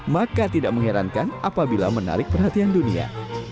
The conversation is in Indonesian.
maka tidak mengherankan apabila menarik perhatian dunia